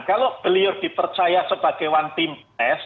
kalau beliau dipercaya sebagai one team press